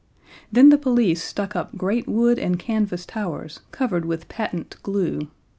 Then the police stuck up great wood and canvas towers covered with patent glue.